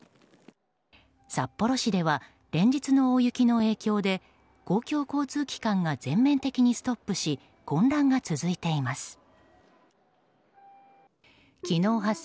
札幌市では連日の大雪の影響で公共交通機関が全面的にストップし混乱が続いています。